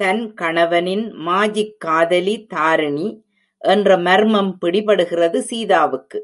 தன் கணவனின் மாஜிக்காதலி தாரிணி என்ற மர்மம் பிடிபடுகிறது சீதாவுக்கு.